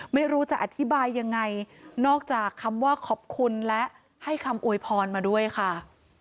ไม่รู้จะอธิบายยังไงนอกจากคำว่าขอบคุณและให้คำอวยพรมาด้วยค่ะ